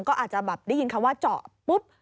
ก็อาจจะแบบได้ยินคำว่าเจาะปุ๊บ